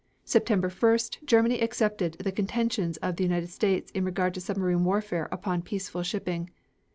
September 1st Germany accepted the contentions of the United States in regard to submarine warfare upon peaceful shipping.